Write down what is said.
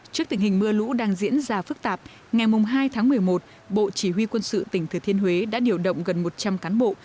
trước tình hình mưa lũ đang diễn ra phức tạp ngày hai tháng một mươi một bộ chỉ huy quân sự tỉnh thừa thiên huế đã điều động gần một trăm linh cán bộ